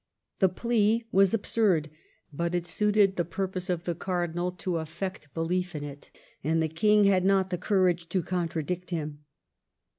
The plea was absurd; but it suited the purpose of the Cardinal to affect belief in it, and the King had not the courage to contradict him.